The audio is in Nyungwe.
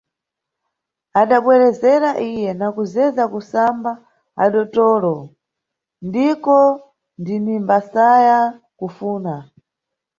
Adabwerezera iye, na kuzeza kusamba adotolo, ndiko ndinimbasaya kufuna.